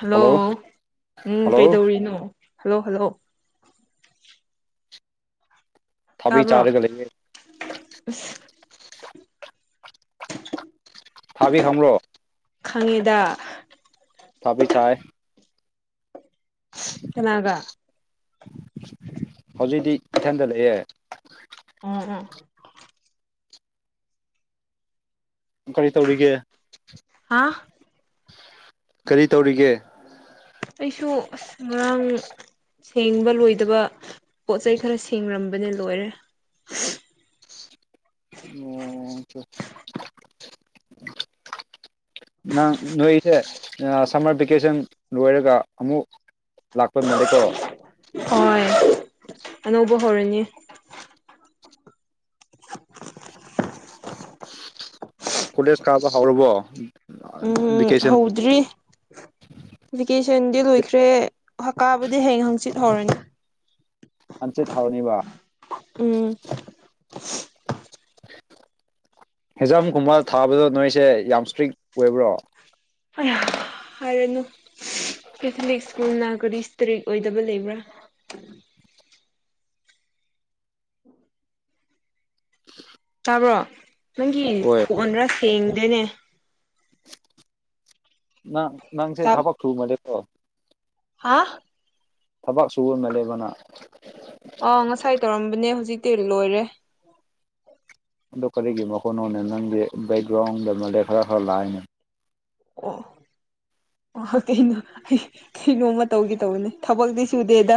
hello um hello ꯀꯩꯗꯧꯔꯤꯅꯣ hello hello ꯊꯥꯕꯤ ꯇꯥꯕ꯭ꯔꯣ ꯆꯥꯔꯒ ꯑꯁ ꯂꯩꯌꯦ ꯊꯥꯕꯤ ꯈꯪꯕꯣ ꯈꯪꯉꯦꯗ ꯊꯕꯤ ꯆꯦ ꯀꯅꯥꯒ ꯍꯧꯖꯤꯛꯤ ꯏꯊꯟꯗ ꯂꯛꯑꯦ [unintelligible] ꯀꯔꯤ ꯇꯧꯔꯤꯒꯦ ꯍꯥꯥ ꯀꯔꯤ ꯇꯧꯔꯤꯒꯦ ꯑꯩꯁꯨ ꯑ ꯉꯔꯥꯡ ꯁꯦꯡꯕ ꯂꯣꯏꯗꯕ ꯄꯣꯠ ꯆꯩꯩ ꯈꯔ ꯁꯦꯡꯡꯂ ꯅꯤ ꯂꯣꯏꯔꯦ [unintelligible] [inaudible] ꯅꯪ ꯅꯣꯏꯁꯦ ꯁꯝꯃꯔ ꯚꯦꯀꯦꯁꯟ ꯂꯣꯏꯔꯒ ꯑꯃꯨꯛ ꯂꯥꯛꯄ ꯃꯥꯂꯦꯀꯣ ꯍꯣꯏ ꯑꯅꯧꯕ ꯍꯧꯔꯅꯤ ꯀꯣꯂꯦꯖ ꯀꯥꯕ ꯍꯧꯔꯥꯕꯥ ꯎꯝ ꯍꯧꯗ꯭ꯔꯤ ꯚꯦꯀꯦꯁꯟꯗꯤ ꯂꯣꯏꯈ꯭ꯔꯦ ꯍꯀꯥꯕꯨꯗꯤ ꯍꯌꯦꯡ ꯍꯪꯆꯤꯠ ꯍꯧꯔꯅꯤ ꯍꯪꯆꯤꯠ ꯍꯥꯎꯅꯤꯕ ꯎꯝ ꯍꯦꯟꯖꯝ ꯈꯨꯨꯝꯃꯔ ꯊꯥꯕꯗꯣ ꯅꯣꯏꯁꯦ ꯌꯥꯝ ꯏꯁꯇ꯭ꯔꯤꯛ ꯑꯣꯏꯕ꯭ꯔꯣ ꯍꯥꯏꯔꯅꯨ ꯀꯦꯊꯂꯤꯛ ꯁ꯭ꯀꯨꯜꯅ ꯀꯔꯤ ꯏꯁꯇ꯭ꯔꯤꯛ ꯑꯣꯏꯗꯕ ꯂꯩꯕ꯭ꯔꯥ ꯇꯥꯕ꯭ꯔꯣ ꯅꯪꯒꯤ ꯑꯣꯏ ꯐꯣꯟꯗ꯭ꯔꯥ ꯁꯦꯡꯗꯦꯅꯦ ꯅꯪ ꯅꯪꯁꯦ ꯊꯕꯛ ꯊꯨꯕꯅꯦ ꯀꯣ ꯍꯥ ꯊꯕꯛ ꯁꯨ ꯑꯣꯏꯅ ꯂꯩꯕꯅ ꯑꯥ ꯉꯁꯥꯏ ꯇꯧꯔꯝꯕꯅꯦ ꯍꯧꯖꯤꯛꯇꯤ ꯂꯣꯏꯔꯦ ꯑꯗꯨ ꯀꯔꯤꯒꯤ ꯃꯈꯣꯏꯅꯣꯅꯦ ꯅꯪꯒꯤ ꯕꯦꯛꯒ꯭ꯔꯥꯎꯟꯗ ꯃꯩ ꯈꯔ ꯈꯔ ꯂꯥꯛꯑꯅꯦ [unintelligible] ꯑꯣ ꯀꯩꯅꯣ ꯑꯩ ꯀꯩ ꯅꯣꯝꯃ ꯇꯧꯒꯦ ꯇꯧꯕꯅꯦ ꯊꯕꯛꯇꯤ ꯁꯨꯗꯦꯗ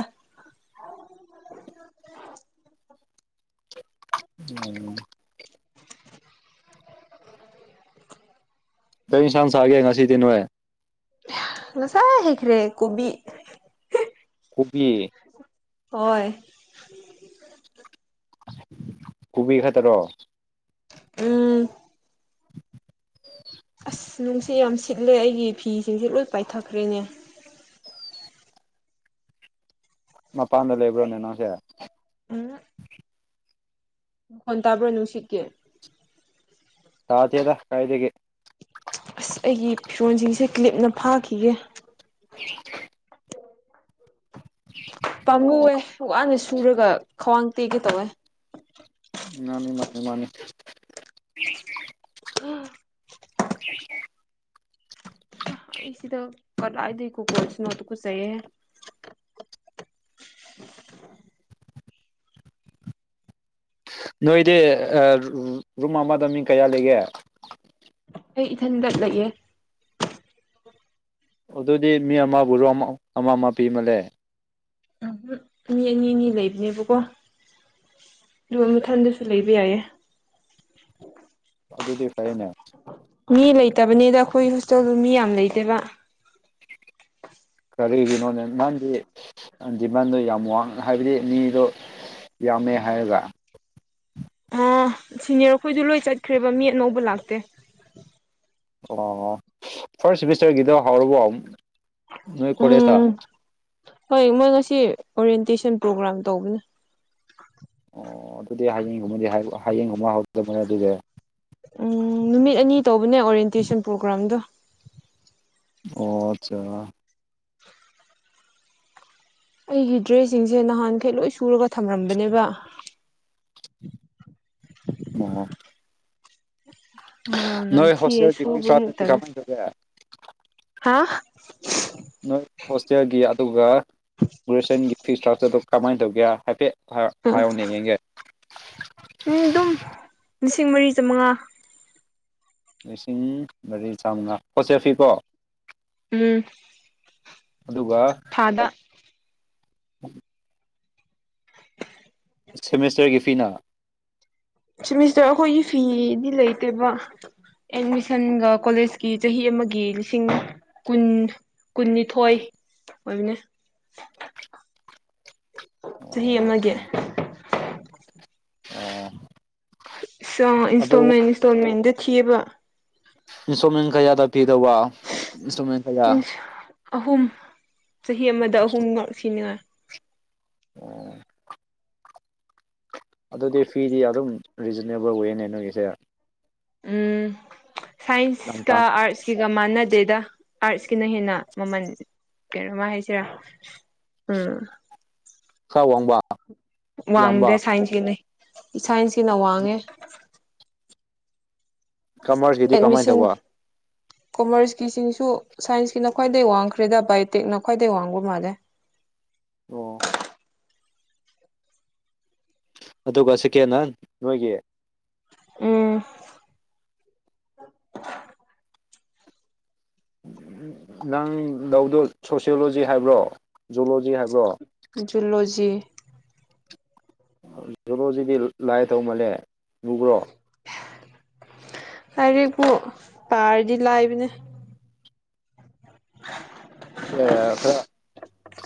[unintelligible] ꯀꯩ ꯌꯦꯟꯁꯪ ꯆꯥꯒꯦ ꯉꯁꯤꯗꯦ ꯅꯣꯏ ꯉꯁꯥꯏ ꯍꯥꯏꯈ꯭ꯔꯦ ꯀꯣꯕꯤ ꯀꯣꯕꯤ ꯍꯣꯏ [inaudible] ꯀꯣꯕꯤ ꯈꯛꯇꯔꯣ ꯎꯝ ꯑꯁ ꯅꯨꯡꯁꯤꯠ ꯌꯥꯝ ꯁꯤꯠꯂꯦ ꯑꯩꯒꯤ ꯐꯤꯁꯤꯡꯁꯦ ꯂꯣꯏ ꯄꯥꯏꯊꯈ꯭ꯔꯦꯅꯦ ꯃꯄꯥꯟꯗ ꯂꯩꯕ꯭ꯔꯣꯅꯦ ꯅꯪꯁꯦ ꯑ ꯍꯣꯟ ꯇꯥꯕ꯭ꯔꯣ ꯅꯨꯡꯁꯤꯛꯀꯦ ꯁꯥꯗꯗ ꯀꯥꯏꯗꯒꯤ ꯑꯁ ꯑꯩꯒꯤ ꯐꯤꯔꯣꯟꯁꯤꯡꯁꯦ ꯀ꯭ꯂꯤꯞꯅ ꯐꯥꯈꯤꯒꯦ [unintelligible] [inaudible] ꯄꯥꯝꯂꯨꯑꯦ ꯋꯥꯅ ꯁꯨꯔꯒ ꯈ꯭ꯋꯥꯡ ꯇꯦꯛꯒꯩ ꯇꯧꯋꯦ ꯃꯥꯅꯤ ꯃꯥꯅꯤ ꯃꯥꯅꯤ ꯎ ꯑꯩ ꯁꯤꯗ ꯀꯔꯂꯏꯗ ꯀꯣ ꯀ ꯏꯁꯅꯣꯗꯨ ꯀꯁꯦ ꯅꯣꯏꯗꯤ ꯔꯨꯝ ꯑꯃꯗ ꯃꯤ ꯀꯌꯥ ꯂꯩꯒꯦ ꯑꯩ ꯏꯊꯟ ꯆꯠꯂꯒꯦ ꯑꯗꯨꯗꯤ ꯃꯤ ꯑꯃ ꯔꯣ ꯑꯃ ꯑꯃ ꯑꯃ ꯄꯤꯃꯜꯂꯦ ꯎꯝ ꯃꯤ ꯑꯅꯤ ꯑꯅꯤ ꯂꯩꯕꯅꯦꯕꯀꯣ ꯂ ꯃꯊꯟꯗꯁꯨ ꯂꯩꯕ ꯌꯥꯏꯌꯦꯦ ꯑꯗꯨꯗꯤ ꯐꯩꯅꯦ ꯃꯤ ꯂꯩꯇꯕꯅꯦꯗ ꯑꯩꯈꯣꯏ ꯍꯣꯁꯇꯦꯜꯗꯨ ꯃꯤ ꯌꯥꯝ ꯂꯩꯇꯦꯕ ꯀꯔꯤ ꯀꯒꯤꯅꯣꯅꯦ ꯅꯍꯪꯗꯤ ꯅꯗꯤ ꯅꯟꯗꯣ ꯌꯥꯝ ꯋꯥꯡꯅ ꯍꯥꯏꯕꯗꯤ ꯃꯤꯗꯣ ꯌꯥꯝꯃꯦ ꯍꯥꯏꯖ ꯑꯥ ꯁꯤꯅꯤꯌꯔ ꯑꯩꯈꯣꯏꯗ ꯂꯣꯏ ꯆꯠꯈ꯭ꯔꯦꯕ ꯃꯤ ꯑꯅꯧꯕ ꯂꯥꯛꯇꯦ ꯑꯣ ꯐꯥꯔꯁ ꯁꯤꯦꯃꯤꯁꯇꯔꯒꯤꯗ ꯍꯥꯎꯔꯕꯨꯛ ꯅꯣꯏ ꯀꯣꯂꯦꯖꯇ ꯎꯝ ꯍꯣꯏ ꯃꯣꯏ ꯉꯁꯤ ꯑꯣꯔꯤꯌꯦꯟꯇꯦꯁꯟ ꯄ꯭ꯔꯣꯒ꯭ꯔꯥꯝ ꯇꯧꯕꯅꯦ ꯑꯣ ꯑꯗꯨꯗꯤ ꯍꯌꯦꯡꯒꯨꯝꯕꯗꯤ ꯍꯌꯦꯡꯒꯨꯝꯕ ꯍꯧꯗꯕꯅꯦ ꯑꯗꯨꯗꯤ ꯎꯝ ꯅꯨꯃꯤꯠ ꯑꯅꯤ ꯇꯧꯕꯅꯦ ꯑꯣꯔꯌꯦꯦꯟꯇꯦꯁꯟ ꯄ꯭ꯔꯣꯒ꯭ꯔꯥꯝꯗꯣ ꯑꯣ ꯑꯠꯆꯥ ꯑꯩꯒꯤ ꯗ꯭ꯔꯦꯁꯁꯤꯡꯁꯦ ꯅꯍꯥꯟꯈꯩ ꯂꯣꯏ ꯁꯨꯔꯒ ꯊꯝꯔꯝꯕꯅꯦꯕ ꯑꯣ ꯃꯅꯥꯝꯅꯥꯝ ꯅꯣꯏ ꯍꯣꯁꯇꯦꯜꯒꯤ ꯐꯤ ꯊꯁꯨꯕꯃꯨ ꯏꯁꯇ꯭ꯔꯛꯆꯔꯗꯤ ꯇꯂ ꯀꯃꯥꯏꯅ ꯇꯧꯒꯦ ꯍꯥ ꯅꯣꯏ ꯍꯣꯁꯇꯦꯜꯒꯤ ꯑꯗꯨꯒ ꯒ꯭ꯔꯦꯖꯨꯋꯌꯦꯁꯟꯒꯤ ꯐꯤ ꯏꯁꯇ꯭ꯔꯛꯆꯔꯗꯣ ꯀꯃꯥꯏꯅ ꯇꯧꯒꯦ ꯍꯥꯏꯐꯦꯠ ꯑꯌꯣꯅꯦ ꯌꯦꯡꯒꯦ ꯃꯤ ꯑꯗꯨꯝ ꯂꯤꯁꯤꯡ ꯃꯔꯤ ꯆꯃꯉꯥ ꯂꯤꯁꯤꯡ ꯃꯔꯤ ꯆꯥꯝꯃꯉꯥ ꯄꯣꯆꯦ ꯐꯤꯀꯣ ꯎꯝ ꯑꯗꯨꯒ ꯊꯥꯗ ꯎꯝ ꯁꯦꯃꯤꯁꯇꯔꯒꯤ ꯐꯤꯅ ꯁꯤꯃꯤꯁꯇꯔ ꯑꯩꯈꯣꯏꯒꯤ ꯐꯤꯗꯤ ꯂꯩꯇꯦꯕ ꯑꯦꯠꯃꯤꯁꯟꯒ ꯀꯣꯂꯦꯖꯀꯤ ꯆꯍꯤ ꯑꯃꯒꯤ ꯂꯤꯁꯤꯡ ꯀꯨꯟ ꯀꯨꯟꯅꯤꯊꯣꯏ ꯑꯣꯏꯕꯅꯦ ꯆꯍꯤ ꯑꯣ ꯑꯃꯒꯤ ꯑꯣ ꯑ ꯑꯗꯨ ꯏꯟꯁꯇꯣꯜꯃꯦꯟ ꯏꯟꯁꯇꯣꯜꯃꯦꯟꯗ ꯊꯤꯑꯕ ꯏꯟꯁꯇ꯭ꯔꯣꯃꯦꯟ ꯀꯌꯥꯗꯥ ꯄꯤꯗꯕ ꯏꯁꯇ꯭ꯔꯣꯃꯦꯟ ꯑꯍꯨꯝ ꯆꯍꯤ ꯑꯃꯗ ꯑꯍꯨꯝꯃꯛꯛ ꯁꯤꯅꯤꯉꯥꯏ ꯑꯣꯝ ꯑꯗꯨꯗꯤ ꯐꯤꯗꯤ ꯑꯗꯨꯝ ꯔꯤꯖꯅꯦꯕꯜ ꯋꯦꯅꯦ ꯅꯣꯏꯒꯤꯁꯦ ꯎꯝ ꯌꯥꯝ ꯁꯥꯏꯟꯁ ꯀ ꯇꯥꯡ ꯑꯔꯠꯁ ꯀꯒ ꯃꯥꯟꯅꯗꯦꯗ ꯑꯥꯔꯠꯁꯀꯤꯅ ꯍꯦꯟꯅ ꯃꯃꯜ ꯀꯩꯅꯣꯃ ꯍꯥꯏꯁꯤꯔꯥ ꯎꯝ ꯁꯥ ꯋꯥꯡꯕ ꯌꯥꯝꯕ ꯋꯥꯡꯗꯦ ꯁꯥꯏꯟꯁꯀꯤꯅꯦ ꯁꯥꯏꯟꯁꯀꯤꯅ ꯋꯥꯡꯉꯦ ꯀꯃꯔꯁꯀꯤꯗꯤ ꯀꯃꯥꯏꯅ ꯑꯦꯗꯃꯤꯁꯟ ꯇꯧꯕ ꯀꯣꯃꯔꯁꯀꯤꯁꯤꯡꯁꯨ ꯁꯥꯏꯟꯁꯀꯤꯅ ꯈ꯭ꯋꯥꯏꯗꯒꯤꯩ ꯋꯥꯡꯈ꯭ꯔꯦꯗ ꯕꯥꯏꯑꯣꯇꯦꯛꯅ ꯈ꯭ꯋꯥꯏꯗꯩ ꯋꯥꯡꯕ ꯃꯥꯜꯂꯦ ꯑꯣ ꯑꯗꯨꯒ ꯁꯦꯀꯦꯟ ꯍꯥꯟ ꯅꯣꯏꯒꯤ ꯎꯝ ꯅꯪ ꯂꯧꯗꯣ ꯁꯣꯁꯤꯌꯣꯂꯣꯖꯤ ꯍꯥꯏꯕ꯭ꯔꯣ ꯖꯨꯂꯣꯖꯤ ꯍꯥꯏꯕ꯭ꯔꯣ ꯖꯨꯂꯣꯖꯤ ꯂꯣꯁꯤꯗꯤ ꯂꯥꯏ ꯇꯧꯃꯜꯂꯦ ꯂꯨꯈ꯭ꯔꯣ ꯍꯥꯏꯔꯔꯤꯕꯕꯨ ꯄꯥꯔꯗꯤ ꯂꯥꯏꯕꯅꯦ ꯑ ꯈꯔ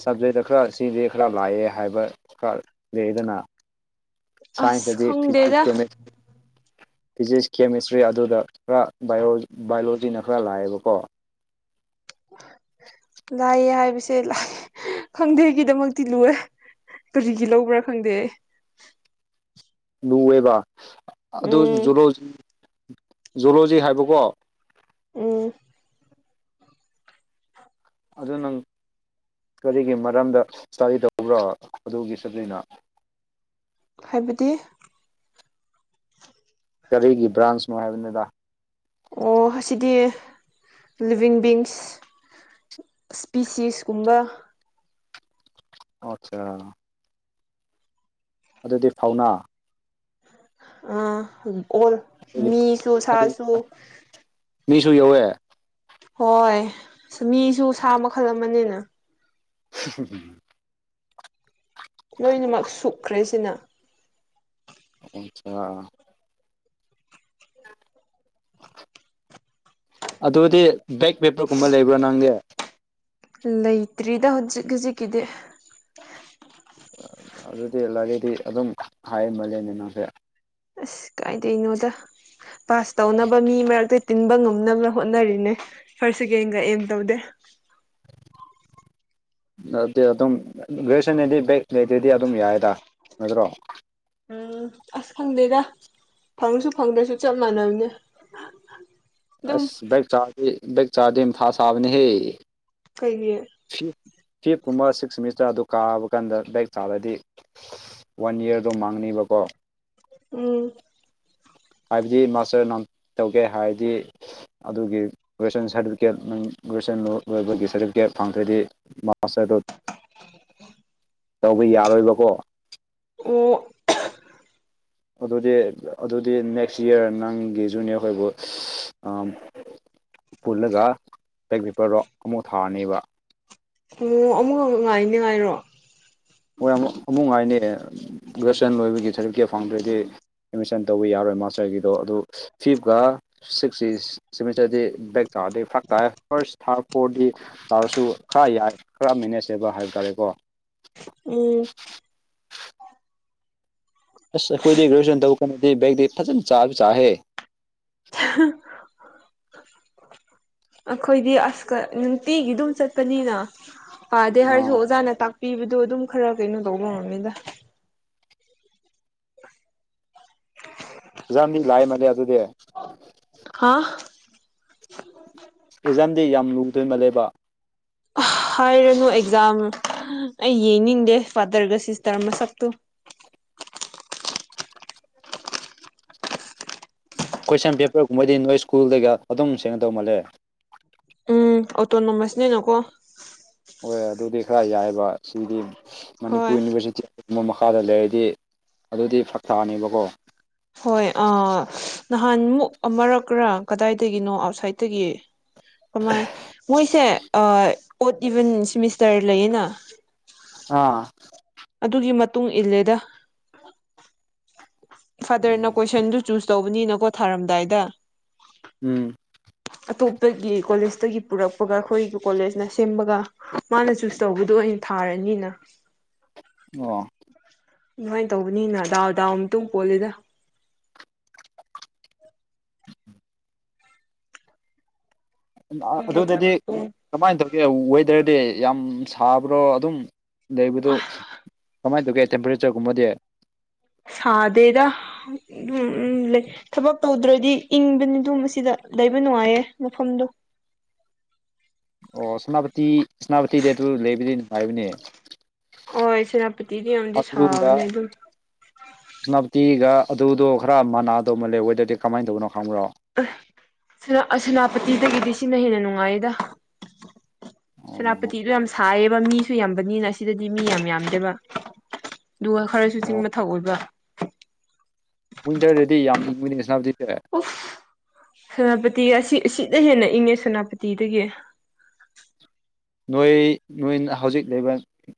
ꯁꯕꯖꯦꯛꯇ ꯈꯔ ꯁꯤꯁꯦ ꯈꯔ ꯂꯥꯛꯑꯦ ꯍꯥꯏꯕ ꯈꯔ ꯂꯩꯗꯅ ꯑꯁ ꯁꯥꯏꯟꯁꯇꯗꯤ ꯈꯪꯗꯦꯗ ꯐꯤꯖꯤꯛꯁ ꯐꯤꯖꯤꯛꯁ ꯀꯦꯃꯤꯁꯇ꯭ꯔꯤ ꯑꯗꯨꯗ ꯈꯔ ꯕꯥꯑꯣ ꯕꯥꯏꯑꯣꯂꯣꯖꯤꯅ ꯈꯔ ꯂꯥꯏꯑꯦꯕꯀꯣ ꯂꯥꯛꯌꯦꯦ ꯍꯥꯏꯕꯁꯦ ꯂꯥꯛꯑꯦ ꯈꯪꯗꯩꯒꯤꯗꯃꯛꯇꯤ ꯂꯨꯔꯦ ꯀꯔꯤꯒꯤ ꯂꯧꯕ꯭ꯔꯥ ꯈꯪꯗꯦ ꯂꯨꯑꯦꯕ ꯑꯗꯨ ꯎꯝ ꯖꯂꯣ ꯖꯣꯂꯣꯖꯤ ꯍꯥꯏꯕꯀꯣ ꯎꯝ ꯑꯗꯨ ꯅꯪ ꯀꯔꯤꯒꯤ ꯃꯔꯝꯗ ꯏꯁꯇꯥꯗꯤ ꯇꯧꯕ꯭ꯔꯣ ꯑꯗꯨꯒꯤ ꯁꯕꯖꯦꯛꯅ ꯍꯥꯏꯕꯗꯤ ꯀꯔꯤꯒꯤ ꯕ꯭ꯔꯥꯟꯁꯅꯣ ꯍꯥꯏꯕꯅꯤꯗ ꯑꯣ ꯑꯁꯤꯗꯤ ꯂꯤꯕꯤꯡ ꯕꯤꯟꯁ ꯏꯁꯄꯤꯁꯤꯁꯀꯨꯝꯕ ꯑꯆꯥ ꯑꯗꯨꯗꯤ ꯐꯥꯎꯅꯥ ꯑ ꯑꯣ ꯃꯤꯁꯨ ꯑꯗꯨ ꯁꯥꯁꯨ ꯃꯤꯁꯨ ꯌꯧꯋꯦ ꯍꯣꯏ ꯃꯤꯁꯨ ꯁꯥ ꯃꯈꯜ ꯑꯃꯅꯤꯅꯦꯅ ꯎ ꯂꯣꯏꯅꯃꯛ ꯁꯨꯛꯈ꯭ꯔꯦꯁꯤꯅ ꯑꯆꯥ ꯑꯗꯨꯗꯤ ꯕꯦꯛ ꯄꯦꯄꯔꯒꯨꯝꯕ ꯂꯩꯕ꯭ꯔꯣ ꯅꯪꯗꯤ ꯂꯩꯇ꯭ꯔꯤꯗ ꯍꯧꯖꯤꯛ ꯍꯧꯖꯤꯛꯀꯤꯗꯤ ꯑꯗꯨꯗꯤ ꯂꯥꯏꯔꯤꯗꯤ ꯑꯗꯨꯝ ꯍꯥꯏꯃꯂꯦꯅꯦ ꯅꯪꯁꯦ ꯑꯁ ꯀꯥꯏꯗꯩꯅꯣꯗ ꯄꯥꯁ ꯇꯧꯅꯕ ꯃꯤ ꯃꯔꯛꯇ ꯇꯤꯟꯕ ꯉꯝꯅꯕ ꯍꯣꯠꯅꯔꯤꯅꯦ ꯐꯥꯔꯁ ꯁꯦꯀꯦꯟꯒ ꯑꯦꯝ ꯇꯧꯗꯦ [inaudible] ꯑꯗꯨ ꯑꯗꯨꯝ ꯒꯦꯁꯟꯅꯗꯤ ꯕꯦꯛ ꯂꯩꯇ꯭ꯔꯗꯤ ꯑꯗꯨꯝ ꯌꯥꯏꯗ ꯅꯠꯇ꯭ꯔꯣ ꯎꯝ ꯑꯁ ꯈꯪꯗꯦꯗ ꯐꯪꯁꯨ ꯐꯪꯗ꯭ꯔꯁꯨ ꯆꯞ ꯃꯥꯟꯅꯕꯅꯦ ꯑ ꯑꯁ ꯕꯛ ꯆꯥꯔꯗꯤ ꯕꯛ ꯆꯥꯔꯗꯤ ꯑꯃ ꯊꯥ ꯁꯥꯕꯅꯦꯍꯦ ꯀꯩꯒꯤ ꯐꯤ ꯐꯤꯞ ꯀꯨꯝꯕ ꯁꯤꯛꯁ ꯃꯤꯁꯇꯔ ꯑꯗꯨ ꯀꯥꯕ ꯀꯥꯟꯗ ꯕꯥꯏꯛ ꯆꯥꯔꯗꯤ ꯋꯥꯟ ꯌꯔꯗꯣ ꯃꯥꯡꯅꯦꯕꯀꯣ ꯎꯝ ꯍꯥꯏꯕꯗꯤ ꯃꯥꯁꯇꯔ ꯅ ꯇꯧꯒꯦ ꯍꯥꯏꯔꯗꯤ ꯑꯗꯨꯒꯤ ꯒ꯭ꯔꯦꯖꯨꯋꯁꯟ ꯁꯥꯔꯇꯤꯐꯤꯀꯦꯠ ꯒ꯭ꯔꯦꯖꯨꯋꯁꯟ ꯂꯣꯏꯕꯒꯤ ꯁꯥꯔꯇꯤꯐꯤꯀꯦꯠ ꯐꯪꯗ꯭ꯔꯣꯏꯗꯤ ꯄꯣꯁꯠꯇꯣ ꯇꯧꯕ ꯌꯥꯔꯣꯏꯕꯀꯣ ꯑꯣ ꯑꯗꯨꯗꯤ ꯑꯗꯨꯗꯤ ꯅꯦꯛꯁ ꯏꯌꯥꯔ ꯅꯪꯒꯤ ꯖꯨꯅꯤꯌꯔꯈꯣꯏꯕꯨ [unintelligible] ꯄꯨꯜꯂꯒ ꯄꯕꯦꯛ ꯄꯔꯗꯣ ꯑꯃꯨꯐꯛ ꯊꯥꯔꯅꯦꯕ ꯑꯣ ꯑꯃꯨꯛ ꯉꯥꯏꯅꯦ ꯉꯥꯏꯔꯣ ꯍꯣꯏ ꯑꯃꯨꯛ ꯑꯃꯨꯛꯉꯥꯏꯅꯤ ꯒ꯭ꯔꯦꯖꯨꯑꯦꯁꯟ ꯂꯣꯏꯕꯒꯤ ꯁꯥꯔꯇꯤꯐꯤꯀꯦꯠ ꯐꯪꯗ꯭ꯔꯗꯤ ꯑꯦꯠꯃꯤꯁꯟ ꯇꯧꯕ ꯌꯥꯔꯣꯏ ꯃꯥꯁꯇꯔꯒꯤꯗꯣ ꯑꯗꯨ ꯐꯤꯐꯀ ꯁꯤꯛꯁꯇꯤ ꯁꯤꯃꯤꯇꯔꯗꯤ ꯕꯦꯛ ꯇꯥꯔꯗꯤ ꯐꯛ ꯇꯥꯏꯔ ꯐꯥꯔꯁ ꯊꯥꯔꯠ ꯐꯣꯔꯗꯤ ꯇꯥꯔꯁꯨ ꯈꯔ ꯌꯥꯏ ꯈꯔ ꯃꯦꯅꯦꯖ ꯍꯥꯏꯕ ꯍꯥꯏꯕ ꯇꯥꯔꯦꯀꯣ ꯎꯝ ꯑꯁ ꯑꯩꯈꯣꯏꯗꯤ ꯒ꯭ꯔꯦꯖꯨꯋꯦꯁꯟ ꯇꯧꯔ ꯀꯥꯟꯗꯗꯤ ꯕꯦꯛꯇꯤ ꯐꯖꯅ ꯆꯥ [unintelligible] ꯆꯥꯍꯦ [unintelligible] ꯑꯩꯈꯣꯏꯗꯤ ꯑꯁꯀ ꯅꯨꯡꯇꯤꯒꯤ ꯑꯗꯨꯝ ꯆꯠꯄꯅꯤꯅ ꯄꯥꯗꯦ ꯍꯥꯏꯔꯁꯨ ꯑꯥ ꯑꯣꯖꯥꯅ ꯇꯥꯛꯄꯤꯕꯗꯣ ꯑꯗꯨꯝ ꯈꯔ ꯀꯩꯅꯣ ꯇꯧꯕ ꯉꯝꯃꯤꯗ [unintelligible] ꯂꯥꯛꯏ ꯃꯥꯜꯂꯦ ꯑꯗꯨꯗꯤ ꯍꯥꯥ ꯑꯦꯛꯖꯥꯝꯗꯤ ꯌꯥꯝ ꯂꯨ [unintelligible] ꯍꯥꯏꯔꯅꯨ ꯑꯦꯛꯖꯥꯝ ꯑꯩ ꯌꯦꯡꯅꯤꯡꯗꯦ ꯐꯥꯗꯔꯒ ꯁꯤꯁꯇꯔ ꯃꯁꯛꯇꯨ ꯀꯣꯏꯁꯟ ꯄꯦꯄꯔꯒꯨꯝꯕꯩꯗꯤ ꯅꯣꯏ ꯁ꯭ꯀꯨꯜꯗꯒ ꯑꯗꯨꯝ ꯁꯦꯡꯅ ꯇꯧꯃꯜꯂꯦ ꯎꯝ ꯑꯣꯇꯣꯅꯣꯃꯁꯅꯤ ꯅꯀꯣ ꯍꯣꯏ ꯑꯗꯨꯗꯤ ꯈꯔ ꯌꯥꯏꯑꯕ ꯁꯤꯗꯤ ꯍꯣꯏ ꯃꯅꯤꯄꯨꯔ ꯌꯨꯅꯤꯚꯔꯁꯤꯇꯤ ꯃꯈꯥꯗ ꯂꯩꯔꯗꯤ ꯑꯗꯨꯗꯤ ꯐꯛꯊꯥꯅꯦꯕꯀꯣ ꯍꯣꯏ ꯑꯥ ꯅꯍꯥꯟꯃꯨꯛ ꯑꯃꯔꯛꯀꯔꯥ ꯀꯗꯥꯏꯗꯒꯤꯅꯣ ꯑꯥꯎꯠꯁꯥꯏꯇꯒꯤ ꯀꯃꯥꯏ ꯃꯣꯏꯁꯦ ꯑꯣꯠ ꯏꯚꯟ ꯁꯤꯃꯤꯁꯇꯔ ꯂꯩꯌꯦꯅ ꯑꯥ ꯑꯗꯨꯒꯤ ꯃꯇꯨꯡ ꯏꯜꯂꯦꯗ ꯐꯥꯗꯔꯅ ꯀꯣꯏꯁꯟꯗꯨ ꯆꯨꯁ ꯇꯧꯕꯅꯤꯅꯀꯣ ꯊꯥꯔꯝꯗꯥꯏꯗ ꯎꯝ ꯑꯇꯣꯞꯄꯒꯤ ꯀꯣꯂꯦꯖꯇꯒꯤ ꯄꯨꯔꯛꯄꯒ ꯑꯩꯈꯣꯏꯒꯤ ꯀꯣꯂꯦꯖꯅ ꯁꯦꯝꯕꯒ ꯃꯥꯅ ꯆꯨꯁ ꯇꯧꯕꯗꯣ ꯑꯣꯏꯅ ꯊꯥꯔꯅꯤꯅ [inaudible] ꯑꯣ ꯑꯗꯨꯃꯥꯏꯅ ꯇꯧꯕꯅꯤꯅ ꯗꯥꯎ ꯗꯥꯎ ꯑꯃ ꯃꯇꯨꯡ ꯄꯣꯜꯂꯤꯗ ꯄꯨꯡ ꯀꯌꯥ ꯑꯗꯨꯗꯗꯤ ꯇꯥꯕ꯭ꯔꯥ ꯄꯨꯡ ꯀꯃꯥꯏꯅ ꯇꯧꯒꯦ ꯋꯦꯗꯔꯗꯤ ꯌꯥꯝ ꯁꯥꯕ꯭ꯔꯣ ꯑꯗꯨꯝ ꯂꯩꯕꯗꯣ ꯀꯃꯥꯏ ꯇꯧꯒꯦ ꯇꯦꯝꯄꯔꯦꯆꯔꯒꯨꯝꯕꯗꯤ ꯁꯥꯗꯦꯗ ꯎꯝ ꯎꯝ ꯂꯩ ꯊꯕꯛ ꯇꯧꯗ꯭ꯔꯗꯤ ꯏꯪꯕꯅꯤꯗꯨ ꯃꯁꯤꯗ ꯂꯩꯕ ꯅꯨꯡꯉꯥꯏꯌꯦ ꯃꯐꯝꯗꯣ ꯑꯣ ꯁꯣꯅꯥꯄꯇꯤ ꯁꯦꯅꯥꯄꯇꯤ ꯗꯦꯠꯇꯨ ꯂꯩꯕꯗꯤ ꯅꯨꯡꯉꯥꯏꯕꯅꯦ ꯍꯣꯏ ꯁꯦꯅꯥꯄꯇꯤꯗꯤ ꯑꯃꯗꯤ ꯁꯥꯕꯅꯦ ꯑꯗꯨꯝ ꯁꯅꯥꯞꯇꯤꯒ ꯑꯗꯨꯗꯣ ꯈꯔ ꯃꯅꯥ ꯇꯧꯃꯜꯂꯦ ꯋꯦꯗꯔꯗꯤ ꯀꯃꯥꯏꯅ ꯇꯧꯕꯅꯣ ꯈꯪꯕ꯭ꯔꯣ ꯁꯦꯅꯥꯄꯇꯤꯗꯒꯤꯗꯤ ꯁꯤꯅ ꯍꯦꯟꯅ ꯅꯨꯡꯉꯥꯏꯌꯦꯗ ꯑꯣ ꯁꯦꯅꯥꯄꯇꯤꯗꯨ ꯌꯥꯝ ꯁꯥꯏꯌꯦꯕ ꯃꯤꯁꯨ ꯌꯥꯝꯕꯅꯤꯅ ꯁꯤꯗꯗꯤ ꯃꯤ ꯌꯥꯝ ꯌꯥꯝꯗꯦꯕ ꯑꯗꯨꯒ ꯈꯔꯁꯨ ꯆꯤꯡ ꯑꯣ ꯃꯊꯛ ꯑꯣꯏꯕ ꯋꯤꯟꯇꯔꯗꯗꯤ ꯌꯥꯝ ꯏꯪ [unintelligible] ꯎꯐ ꯁꯦꯅꯥꯄꯇꯤ ꯑꯁꯤ ꯁꯤꯅ ꯍꯦꯟꯅ ꯏꯪꯉꯦ ꯁꯦꯅꯥꯄꯇꯤꯗꯒꯤ ꯅꯣꯏ ꯅꯣꯏꯅ ꯍꯧꯖꯤꯛ ꯂꯩꯕ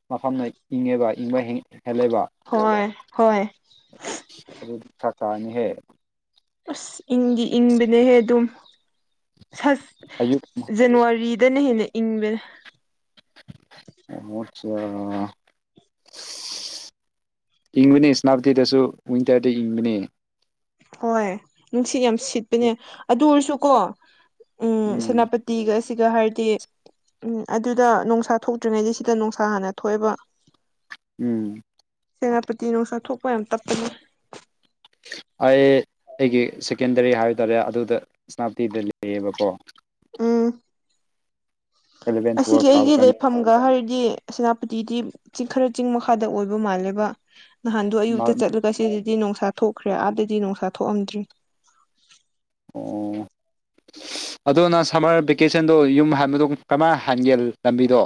ꯃꯐꯝꯅ ꯏꯪꯉꯦꯕ ꯏꯪꯕ ꯍꯦꯜꯂꯦꯕ ꯍꯣꯏ ꯍꯣꯏ ꯑꯗꯨ ꯊꯛꯇꯅꯤ ꯍꯦ ꯑꯁ ꯏꯪꯗꯤ ꯏꯪꯕꯅꯦꯍꯦ ꯑꯗꯨꯝ ꯑꯌꯨꯛ [unintelligible] ꯖꯅꯋꯥꯔꯤꯗꯅ ꯍꯦꯟꯅ ꯏꯪꯕ [unintelligible] ꯏꯪꯕꯅꯤ ꯁꯅꯥꯞꯇꯤꯗꯁꯨ ꯋꯤꯟꯇꯔꯗ ꯏꯪꯕꯅꯤ ꯍꯣꯏ ꯅꯨꯡꯁꯤꯠ ꯌꯥꯝ ꯁꯤꯠꯄꯅꯦ ꯑꯗꯨ ꯑꯣꯏꯔꯁꯨꯀꯣ ꯎꯝ ꯁꯦꯅꯥꯄꯇꯤꯒꯁꯤꯒ ꯍꯥꯏꯔꯗꯤ ꯎꯝ ꯑꯗꯨꯗ ꯅꯨꯡꯁꯥ ꯊꯣꯛꯇ꯭ꯔꯤꯉꯩꯗꯤ ꯁꯤꯗ ꯅꯨꯡꯁꯥ ꯍꯥꯟꯅ ꯊꯣꯛꯑꯦꯕ ꯎꯝ ꯁꯦꯅꯥꯄꯇꯤ ꯅꯨꯡꯁꯥ ꯊꯣꯛꯄ ꯌꯥꯝ ꯇꯞꯄꯅꯤ ꯑꯩ ꯑꯩꯒꯤ ꯁꯦꯀꯦꯟꯗꯔꯤ ꯍꯥꯏ ꯇꯥꯔꯦ ꯑꯗꯨꯗ ꯁꯅꯥꯞꯇꯤꯗ ꯂꯩꯌꯦꯕꯀꯣ ꯎꯝ ꯑꯦꯂꯚꯦꯟ ꯇꯨꯋꯦꯜꯕ ꯑꯁꯤꯒꯤ ꯀꯥꯕ ꯑꯩꯒꯤ ꯀꯥꯟ ꯂꯩꯐꯝ ꯍꯥꯏꯔꯗꯤ ꯁꯦꯅꯥꯄꯇꯤꯗꯤ ꯈꯔ ꯆꯤꯡ ꯃꯈꯥꯗ ꯑꯣꯏꯕ ꯃꯥꯜꯂꯦꯕ ꯅꯍꯥꯟꯗꯣ ꯑꯌꯨꯛꯇ ꯆꯠꯂꯒ ꯁꯤꯗꯗꯤ ꯅꯨꯡꯁꯥ ꯊꯣꯛꯈ꯭ꯔꯦ ꯑꯥꯗꯗꯤ ꯅꯨꯡꯁꯥ ꯊꯣꯛꯑꯝꯗ꯭ꯔ‌ꯦ ꯑꯣ ꯑꯗꯨꯗꯣꯅ ꯁꯝꯃꯔ ꯚꯦꯀꯦꯁꯟꯗꯣ ꯌꯨꯝ ꯍꯥꯟꯕꯗ ꯀꯔꯃꯥꯏꯅ ꯍꯟꯒꯦ ꯂꯝꯕꯤꯗꯣ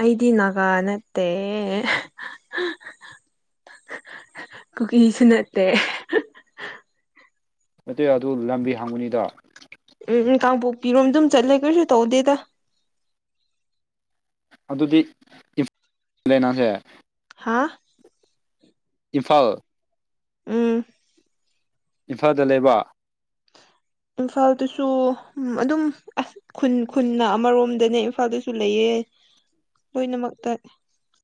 ꯑꯩꯗꯤ ꯅꯥꯒꯥ ꯅꯠꯇ‌ꯦ ꯀꯨꯀꯤꯁꯨ ꯅꯠꯇꯦ ꯅꯠꯇꯦ ꯑꯗꯨ ꯂꯝꯕꯤ ꯍꯪꯕꯅꯤꯗ ꯎꯝ ꯀꯥꯡꯄꯣꯛꯄꯤꯔꯣꯝ ꯑꯗꯨꯝ ꯆꯠꯂꯦ ꯀꯩꯁꯨ ꯇꯧꯗꯦꯗ ꯑꯗꯨꯗꯤ ꯏꯐ [unintelligible] ꯂꯩꯏꯅꯥꯁꯦ ꯍꯥꯥ ꯏꯝꯐꯥꯜ ꯎꯝ ꯏꯝꯐꯥꯜꯗ ꯂꯩꯕ ꯏꯝꯐꯥꯜꯗꯁꯨ ꯎꯝ ꯑꯗꯨꯝ ꯈꯨꯟ ꯈꯨꯟꯅ ꯑꯃꯔꯣꯝꯗꯅꯦ ꯏꯝꯐꯥꯜꯗꯁꯨ ꯂꯩꯌꯦ ꯂꯣꯏꯅꯃꯛꯇ